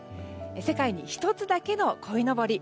世界に１つだけのこいのぼり。